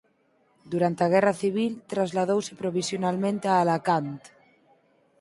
Durante a Guerra Civil trasladouse provisionalmente a Alacant.